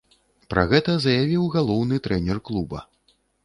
Пра гэта заявіў галоўны трэнер клуба.